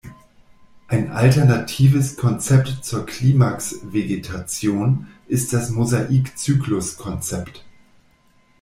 Ein alternatives Konzept zur Klimaxvegetation ist das Mosaik-Zyklus-Konzept.